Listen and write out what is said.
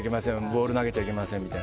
ボール投げちゃいけませんとか。